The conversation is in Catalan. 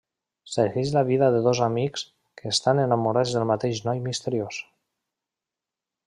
Segueix la vida de dos amics que estan enamorats del mateix noi misteriós.